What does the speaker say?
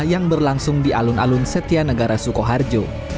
yang berlangsung di alun alun setia negara sukoharjo